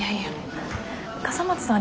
笠松さん